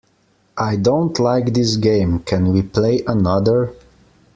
I don't like this game, can we play another?